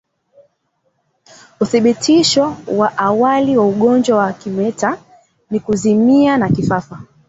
Uthibitisho wa awali wa ugonjwa wa kimeta ni kuzimia na kifafa